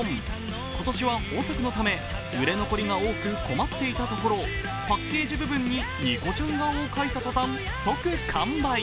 今年は豊作のため売れ残りが多く困っていたところ、パッケージ部分にニコちゃん顔を描いたところ、即完売。